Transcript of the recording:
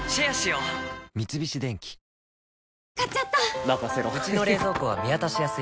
うちの冷蔵庫は見渡しやすい